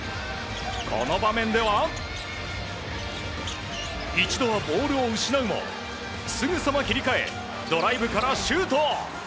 この場面では一度はボールを失うもすぐさま切り替えドライブからシュート。